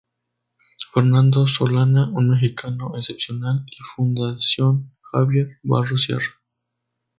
Fernando Solana, un Mexicano Excepcional y Fundación Javier Barros Sierra.